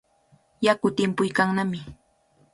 Yaku timpuykannami.